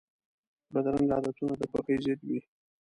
بدرنګه عادتونه د خوښۍ ضد وي